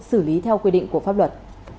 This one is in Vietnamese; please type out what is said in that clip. xử lý theo quy định của pháp luật